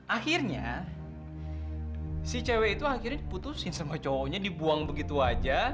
akhirnya si cewek itu akhirnya diputusin sama cowoknya dibuang begitu aja